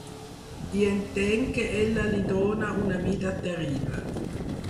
I entenc que ella li dona una vida terrible.